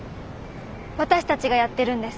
私たちがやってるんです。